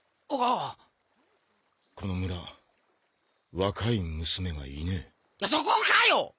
あこの村若い娘がいねえそこかよッ！